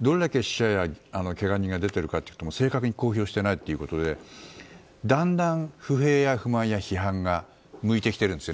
どれだけ死者やけが人が出ているかも正確に公表していないといことでだんだん、不平や不満や批判が向いてきているんです